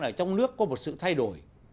ở trong nước có một sự thay đổi